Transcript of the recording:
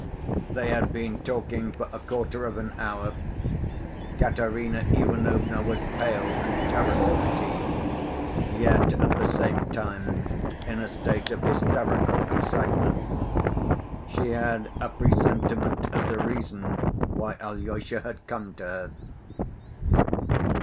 They had been talking for a quarter of an hour. Katerina Ivanovna was pale and terribly fatigued, yet at the same time in a state of hysterical excitement. She had a presentiment of the reason why Alyosha had come to her.